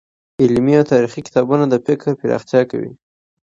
علمي او تاريخي کتابونه د فکر پراختيا کوي.